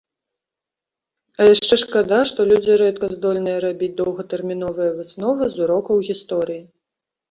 А яшчэ шкада, што людзі рэдка здольныя рабіць доўгатэрміновыя высновы з урокаў гісторыі.